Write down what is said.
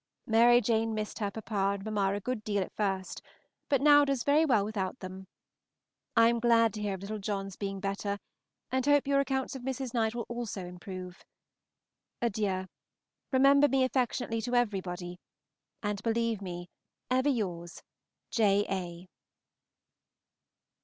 Mary Jane missed her papa and mamma a good deal at first, but now does very well without them. I am glad to hear of little John's being better, and hope your accounts of Mrs. Knight will also improve. Adieu! remember me affectionately to everybody, and believe me, Ever yours, J. A.